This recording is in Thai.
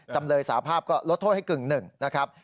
จำเลยสาภาพก็ลดโทษให้กึ่งหนึ่งนะครับ